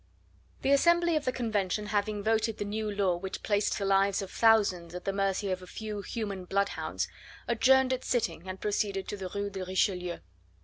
The Assembly of the Convention having voted the new law which placed the lives of thousands at the mercy of a few human bloodhounds, adjourned its sitting and proceeded to the Rue de Richelieu.